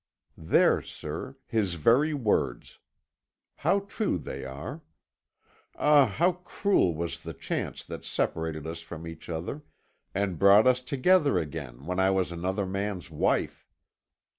There, sir, his very words. How true they are! Ah, how cruel was the chance that separated us from each other, and brought us together again when I was another man's wife!